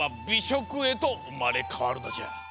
しょくへとうまれかわるのじゃ。